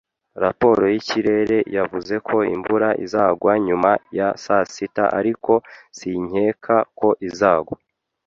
Raporo y’ikirere yavuze ko imvura izagwa nyuma ya saa sita, ariko sinkeka ko izagwa